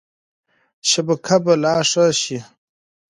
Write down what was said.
شبکه به لا ښه شي.